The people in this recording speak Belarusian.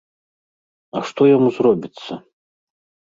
А што яму зробіцца?